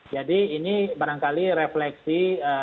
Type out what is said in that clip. jadi ini barangkali refleksi